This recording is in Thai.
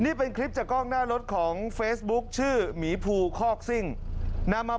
นี่เป็นคลิปจากกล้องหน้ารถของเฟซบุ๊คชื่อหมีภูคอกซิ่งนำมา